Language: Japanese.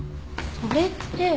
それって。